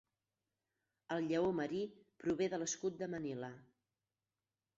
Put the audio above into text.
El lleó marí prové de l"escut de Manila.